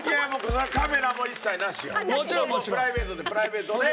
もうプライベートでプライベートで。